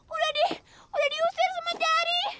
udah diusir sama jari